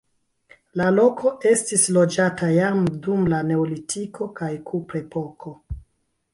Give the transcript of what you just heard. La loko estis loĝata jam dum la neolitiko kaj kuprepoko.